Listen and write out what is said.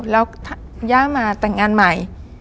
แล้วย่ามาแต่งงานใหม่